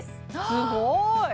すごーい